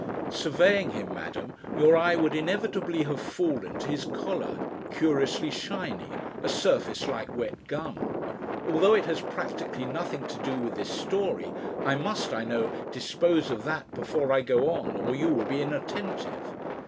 (Surveying him, Madam, your eye would inevitably have fallen to his collar curiously shiny, a surface like wet gum. Although it has practically nothing to do with this story, I must, I know, dispose of that before I go on, or you will be inattentive.